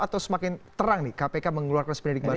atau semakin terang nih kpk mengeluarkan seperindik baru